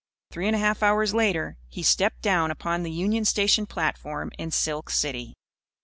Three and a half hours later, he stepped down upon the Union Station platform in Silk City.